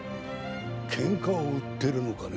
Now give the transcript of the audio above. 喧嘩を売ってるのかね？